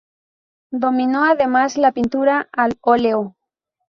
Dominó además la pintura al óleo.